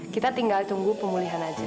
kita tinggal tunggu pemulihan aja